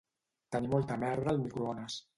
Tenir molta merda al microones